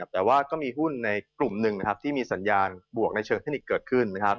แต่ว่าก็มีหุ้นในกลุ่มหนึ่งที่มีสัญญาณบวกในเชิงเทคนิคเกิดขึ้น